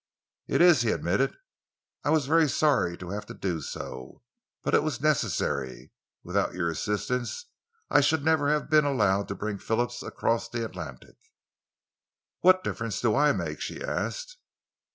"It is," he admitted. "I was very sorry to have to do so but it was necessary. Without your assistance, I should never have been allowed to bring Phillips across the Atlantic." "What difference do I make?" she asked.